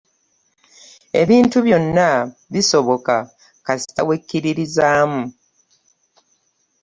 ebintu byonna bisobola kasita wekkiririzaamu.